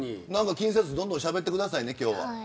気にせずにしゃべってくださいね。